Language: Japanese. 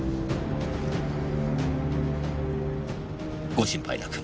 ご心配なく。